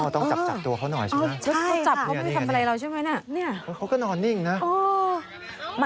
ต้องจับตัวเขาหน่อยสินะ